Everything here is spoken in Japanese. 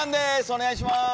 お願いします！